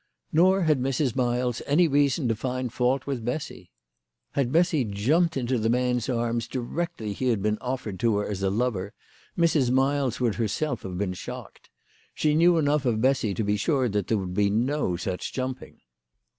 Nor had Mrs. Miles any reason to find fault with Bessy. Had Bessy jumped into the man's arms directly he had been offered to her as a lover, Mrs. Miles would herself have been shocked. She knew enough of Bessy to be sure that there would be no such jumping.